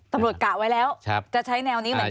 กะไว้แล้วจะใช้แนวนี้เหมือนกัน